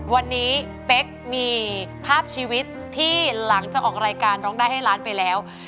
วันนี้เป๊กมีภาพชีวิตที่หลังจากออกรายการร้องได้ให้ล้านไปแล้ว